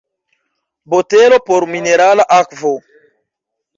Botelo por minerala akvo.